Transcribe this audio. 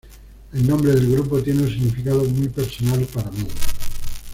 El nombre del grupo tiene un significado muy personal para mí".